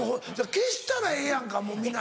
消したらええやんかもう見ない。